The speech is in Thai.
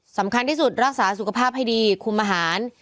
สำคัญที่สุดรักษาสุขภาพให้ดีคุมอาหาร